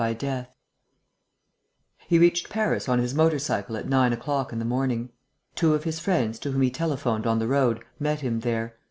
He reached Paris on his motor cycle at nine o'clock in the morning. Two of his friends, to whom he telephoned on the road, met him there.